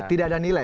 tidak ada nilainya